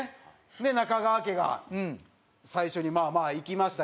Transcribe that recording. で中川家が最初にまあまあいきましたけど。